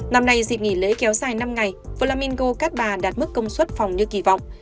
năm nay dịp nghỉ lễ kéo dài năm ngày vlaminko cát bà đạt mức công suất phòng như kỳ vọng